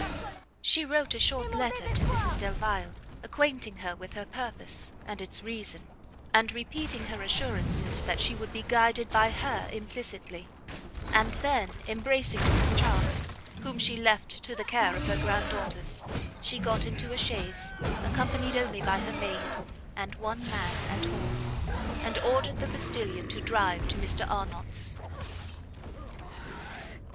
She wrote a short letter to Mrs Delvile, acquainting her with her purpose, and its reason, and repeating her assurances that she would be guided by her implicitly; and then, embracing Mrs Charlton, whom she left to the care of her grand daughters, she got into a chaise, accompanied only by her maid, and one man and horse, and ordered the postilion to drive to Mr Arnott's. CHAPTER v. A COTTAGE.